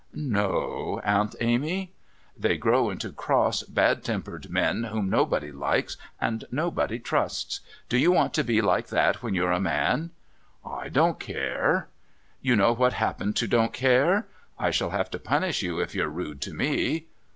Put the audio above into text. "No, Aunt Amy." "They grow into cross, bad tempered men whom nobody likes and nobody trusts. Do you want to be like that when you're a man?" "I don't care." "You know what happened to 'Don't Care.' I shall have to punish you if you're rude to me."